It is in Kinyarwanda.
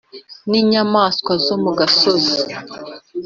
n’inyamaswa zo mu gasozi,